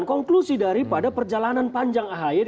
dan konklusi daripada perjalanan panjang ahaya